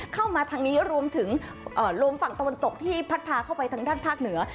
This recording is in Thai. เข้ามาทางนี้รวมถึงลมฝั่งตะวันตกที่พัดพาเข้าไปทางด้านภาคเหนือ